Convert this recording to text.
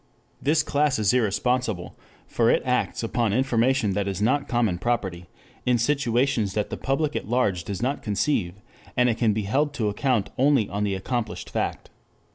This class is irresponsible, for it acts upon information that is not common property, in situations that the public at large does not conceive, and it can be held to account only on the accomplished fact.